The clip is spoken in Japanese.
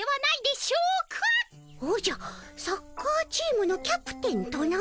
おじゃサッカーチームのキャプテンとな？